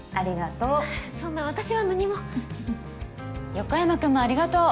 横山君もありがとう。